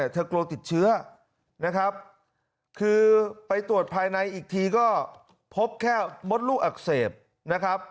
กลัวติดเชื้อนะครับคือไปตรวจภายในอีกทีก็พบแค่มดลูกอักเสบนะครับ